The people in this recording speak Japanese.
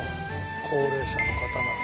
高齢者の方が。